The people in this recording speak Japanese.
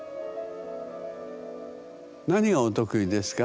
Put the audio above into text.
何がお得意ですか？